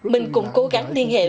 mình cũng cố gắng liên hệ